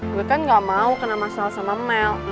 gue kan gak mau kena masalah sama mel